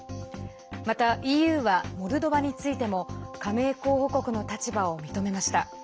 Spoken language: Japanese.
またＥＵは、モルドバについても加盟候補国の立場を認めました。